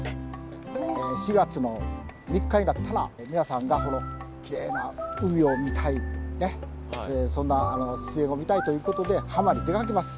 ４月の３日になったら皆さんがきれいな海を見たいそんな自然を見たいということで浜に出かけます。